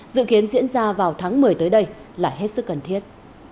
dự kiến diễn ra vào tháng một mươi tới đây là hết sức cần thiết